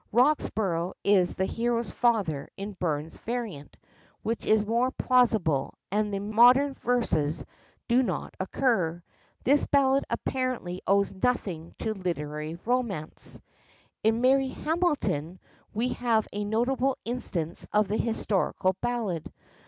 Roxburgh is the hero's father in Burns's variant, which is more plausible, and the modern verses do not occur. This ballad apparently owes nothing to literary romance. In Mary Hamilton we have a notable instance of the Historical Ballad.